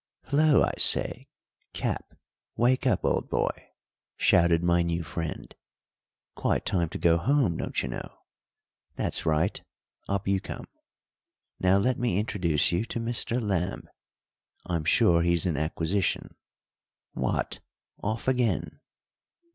"Hullo, I say, Cap, wake up, old boy," shouted my new friend. "Quite time to go home, don't you know. That's right up you come. Now let me introduce you to Mr. Lamb. I'm sure he's an acquisition. What, off again!